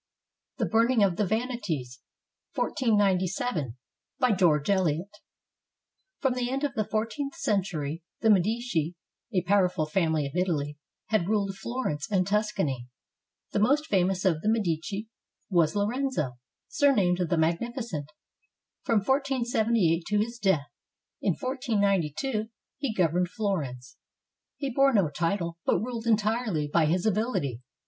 THE BURNING OF THE VANITIES BY GEORGE ELIOT [From the end of the fourteenth century, the Medici, a powerful family of Italy, had ruled Florence and Tuscany. The most famous of the Medici was Lorenzo, surnamed ''The Magnificent." From 1478 to his death, in 1492, he governed Florence. He bore no title, but ruled entirely by his ability.